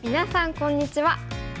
こんにちは。